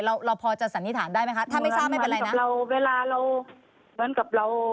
เราเราพอจะสันนิษฐานได้ไหมคะถ้าไม่ทราบไม่เป็นไรนะเราเวลาเราเหมือนกับเรา